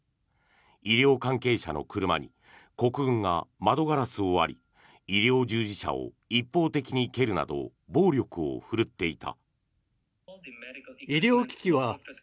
医療関係者の車に国軍が窓ガラスを割り医療従事者を一方的に蹴るなど暴力を振るっていた。